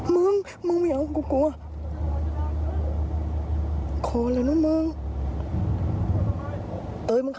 มึงมึงอย่าพวกกูอว่าโคลนับน้องมึง